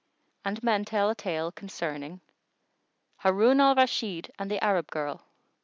And men tell a tale concerning HARUN AL RASHID AND THE ARAB GIRL.